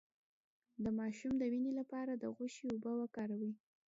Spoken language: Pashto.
د ماشوم د وینې لپاره د غوښې اوبه ورکړئ